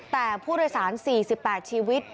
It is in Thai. แต่ผู้โดยสาร๔๘ชีวิต